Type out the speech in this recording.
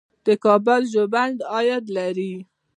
د کابل ژوبڼ عاید لري